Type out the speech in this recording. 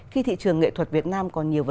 khi thị trường nghệ thuật việt nam